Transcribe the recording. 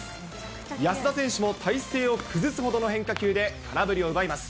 安田選手も体勢を崩すほどの変化球で空振りを奪います。